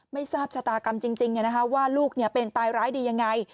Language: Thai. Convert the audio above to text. ไม่ทราบชะตากรรมจริงว่าลูกเป็นตายร้ายดียังไง